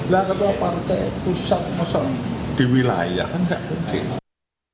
nah ketua partai pusat di wilayah enggak mungkin